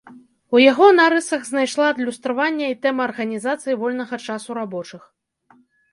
У яго нарысах знайшла адлюстраванне і тэма арганізацыі вольнага часу рабочых.